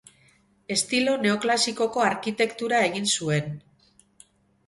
Estilo neoklasikoko arkitektura egin zuen.